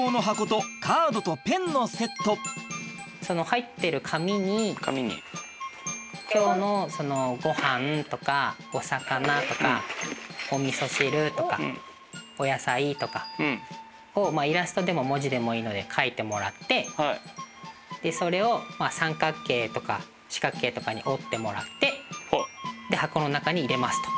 入っていたのは今日のそのごはんとかお魚とかおみそ汁とかお野菜とかをイラストでも文字でもいいので書いてもらってそれを三角形とか四角形とかに折ってもらって箱の中に入れますと。